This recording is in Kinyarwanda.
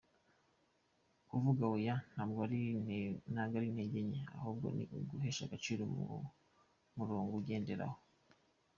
Kuvuga ‘oya’ ntabwo ari intege nke ahubwo ni uguhesha agaciro umurongo ugenderaho.